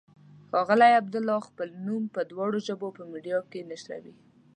ښاغلی عبدالله خپل نوم په دواړو ژبو په میډیا کې نشروي.